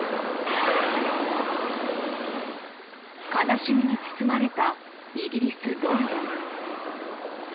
悲しみに包まれたイギリス・ロンドン。